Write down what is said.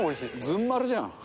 ずん丸じゃん！